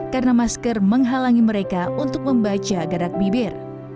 karena masker menghalangi mereka untuk membaca garak bibir